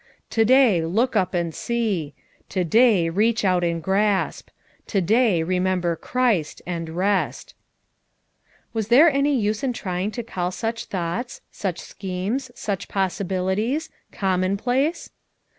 " To day look up and see! To day reach out and grasp ! To day remember Christ, and rest" Was there any use in trying to call such thoughts, such schemes, such possibilities, com monplace!